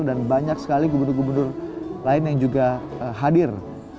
dan banyak sekali gubernur gubernur lain yang juga hadir